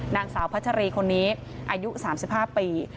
นางสาวพัชรีคนนี้อายุ๓๕ปี